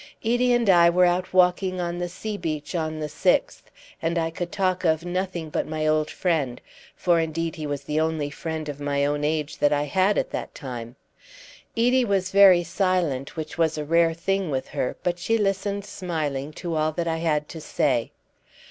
Edie and I were out walking on the sea beach on the 6th, and I could talk of nothing but my old friend for, indeed, he was the only friend of my own age that I had at that time. Edie was very silent, which was a rare thing with her; but she listened smiling to all that I had to say.